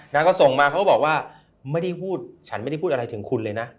ก็ส่งมาเขาก็บอกว่าไม่ได้พูดฉันไม่ได้พูดอะไรถึงคุณเลยนะ